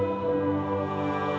yang meminta ab patient